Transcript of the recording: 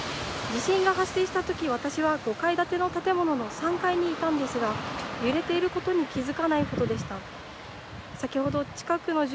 地震が発生したとき、私は５階建ての建物の３階にいたんですが揺れていることに気づかないほどでした。